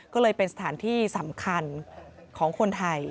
ก็เลยเป็นสถานที่สำคัญของคนไทย